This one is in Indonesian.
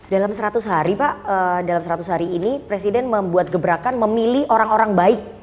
dalam seratus hari pak dalam seratus hari ini presiden membuat gebrakan memilih orang orang baik